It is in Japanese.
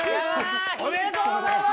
おめでとうございます！